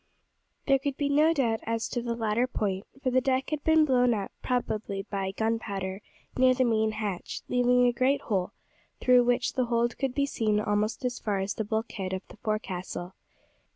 There could be no doubt as to the latter point, for the deck had been blown up, probably by gunpowder, near the main hatch, leaving a great hole, through which the hold could be seen almost as far as the bulkhead of the forecastle.